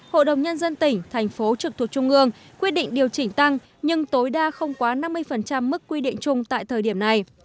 hội đồng nhân dân tỉnh thành phố trực thuộc trung ương quyết định điều chỉnh tăng nhưng tối đa không quá năm mươi mức quy định chung tại thời điểm này